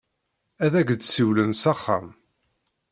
Ad ak-d-siwlen s axxam.